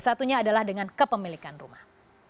satunya adalah dengan kepemilikan rumah